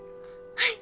はい！